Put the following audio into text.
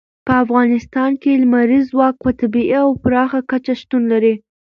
په افغانستان کې لمریز ځواک په طبیعي او پراخه کچه شتون لري.